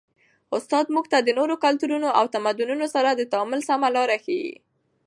استاد موږ ته د نورو کلتورونو او تمدنونو سره د تعامل سمه لاره ښيي.